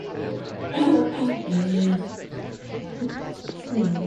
Wilde at first intended to follow Flaubert's version, but changed his mind.